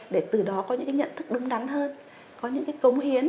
để từ đó có những cái nhận thức đúng đắn hơn có những cái cống hiến